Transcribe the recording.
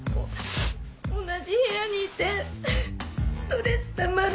同じ部屋にいてストレスたまるの。